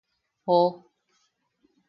¡Joo!.